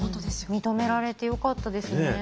認められてよかったですね。